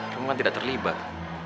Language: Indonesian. rom kan tidak terlibat